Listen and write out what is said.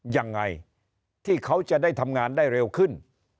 ยังไงที่เขาจะได้ทำงานได้เร็วขึ้น